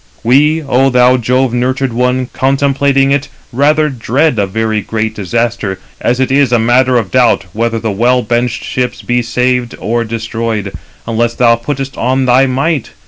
We, O thou Jove nurtured one, contemplating it, rather dread a very great disaster, as it is matter of doubt whether the well benched ships be saved or destroyed, unless thou puttest on thy might.